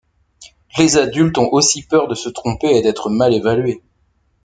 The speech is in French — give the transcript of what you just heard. Les adultes ont aussi peur de se tromper et d’être mal évalués.